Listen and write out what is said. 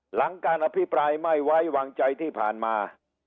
หลังการอภิปรายไม่ไว้วางใจที่ผ่านมา